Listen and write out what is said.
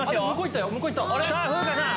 さぁ風花さん。